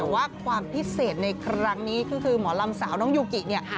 แต่ว่าความพิเศษในครั้งนี้ก็คือหมอลำสาวน้องยูกิเนี่ย